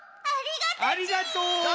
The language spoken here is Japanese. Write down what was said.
ありがとち！